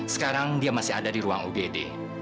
sekarang dia masih ada di ruang ugd